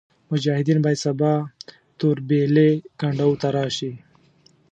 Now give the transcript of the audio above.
مجاهدین باید سبا د توربېلې کنډو ته راشي.